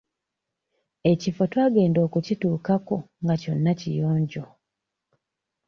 Ekifo twagenda okukituukako nga kyonna kiyonjo.